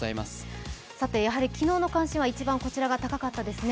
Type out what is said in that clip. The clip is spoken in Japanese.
さて昨日の関心は一番こちらが高かったですね。